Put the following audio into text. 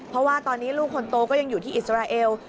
เพราะว่าตอนนี้ลูกคนโตก็ยังอยู่ที่อิสราเอล